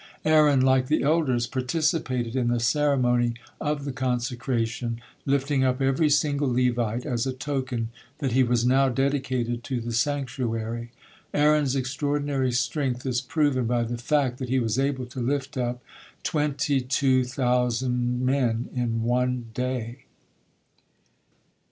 Aaron, like the elders, participated in the ceremony of the consecration, lifting up every single Levite as a token that he was now dedicated to the sanctuary. Aaron's extraordinary strength is proven by the fact that he was able to lift up twenty tow thousand men in one day.